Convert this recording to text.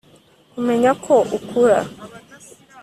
kumenya ko ukura